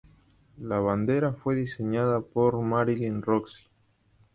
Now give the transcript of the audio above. La bandera fue diseñada por Marilyn Roxie.